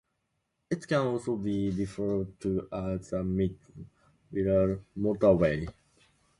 It can also be referred to as the Mid Wirral Motorway.